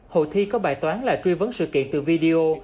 hội thi có bài toán là truy vấn sự kiện từ video